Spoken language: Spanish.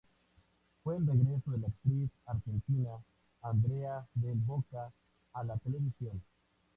Fue el regreso de la actriz argentina Andrea Del Boca a la televisión.